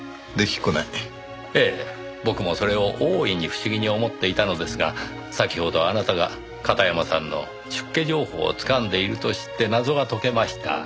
ええ僕もそれを大いに不思議に思っていたのですが先ほどあなたが片山さんの出家情報をつかんでいると知って謎が解けました。